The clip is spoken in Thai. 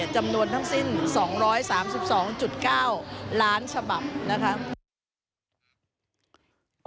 จำนวนทั้งสิ้นสองร้อยสามสิบสองจุดเก้าล้านฉบับนะครับ